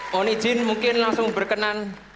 mohon izin mungkin langsung berkenan